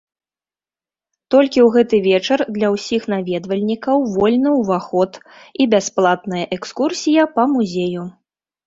Толькі ў гэты вечар для ўсіх наведвальнікаў вольны ўваход і бясплатная экскурсія па музею.